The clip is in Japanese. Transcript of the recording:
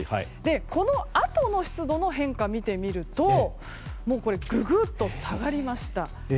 このあとの湿度の変化を見てみるとぐぐっと下がりました。